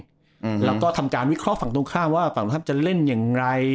อืมแล้วก็ทำการวิเคราะห์ฝั่งตรงข้ามว่าฝั่งตรงข้ามจะเล่นอย่างไร